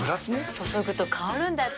注ぐと香るんだって。